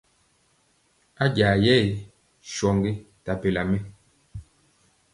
A jayɛ nɛ mɛ won sɔgi nta bela mɛ.